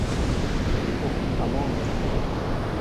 Oh, come on!